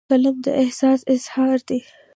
قلم د احساس اظهار دی